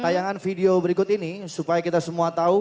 tayangan video berikut ini supaya kita semua tahu